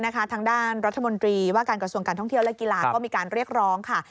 ทางด้านรัฐมนตรีว่าการกระทรวงการท่องเที่ยวและกีฬาก็มีการเรียกร้องค่ะ